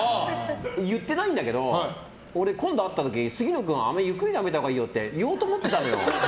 言っていないんだけど俺、今度会った時ゆっくりかんだほうがいいよって言おうと思ってたのよ。